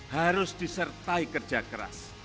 harus disertai kerja keras